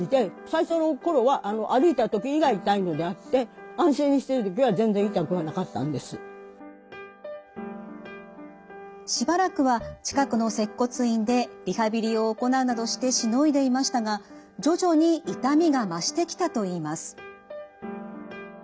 最初の頃は歩いたときが痛いのであってしばらくは近くの接骨院でリハビリを行うなどしてしのいでいましたが徐々に痛みが増してきたと言います。